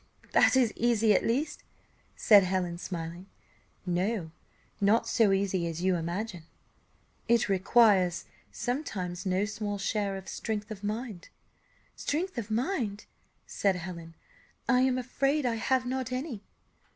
that is easy at least," said Helen, smiling. "No, not so easy as you imagine; it requires sometimes no small share of strength of mind." "Strength of mind!" said Helen, "I am afraid I have not any."